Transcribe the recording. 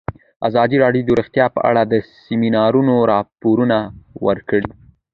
ازادي راډیو د روغتیا په اړه د سیمینارونو راپورونه ورکړي.